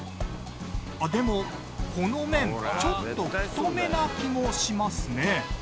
でもこの麺ちょっと太めな気もしますね。